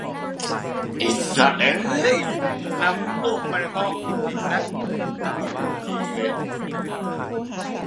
แสรด น้ำรั่วเข้ามาในห้องอีก ยอดเลย